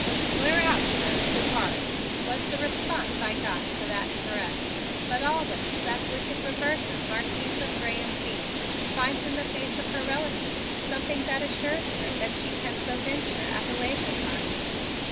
"Clear out, sir! Depart!" was the response I got to that caress; but always that wicked Roberta, Marquise of Grez and Bye, finds in the face of her relative something that assures her that she can so venture at a later time.